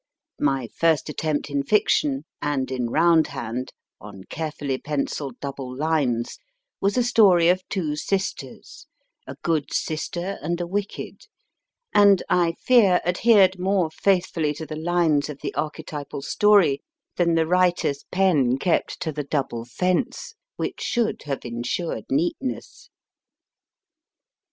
My first attempt in fiction, and in round hand, on carefully pencilled double lines, was a story of two sisters, a good sister and a no MY FIRST BOOK wicked, and I fear adhered more faithfully to the lines of the archetypal story than the writer s pen kept to the double fence which should have ensured neatness.